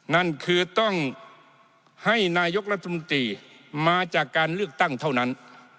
นั่นคือต้องให้นายกรัฐมนตรีมาจากการเลือกตั้งเท่านั้น